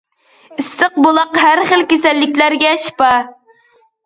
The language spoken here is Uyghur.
ئىسسىق بۇلاق ھەر خىل كېسەللىكلەرگە شىپا.